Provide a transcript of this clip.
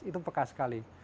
itu peka sekali